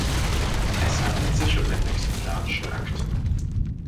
Es handelt sich um einen exemplarischen Akt.